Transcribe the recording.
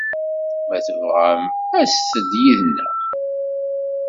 Ma tebɣam, aset-d yid-neɣ.